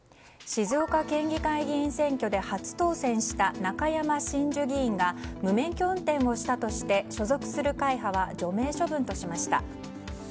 静岡県議会議員選挙で初当選した中山真珠議員が無免許運転をしたとして所属する会派は除名処分としました。